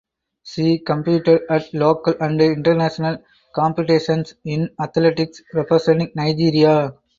She competed at local and international competitions in athletics representing Nigeria.